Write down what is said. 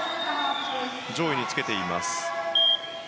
上位につけています。